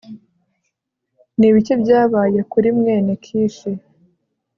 ni ibiki byabaye kuri mwene kishi